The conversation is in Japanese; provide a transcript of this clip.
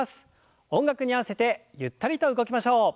音楽に合わせてゆったりと動きましょう。